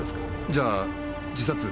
じゃあ自殺？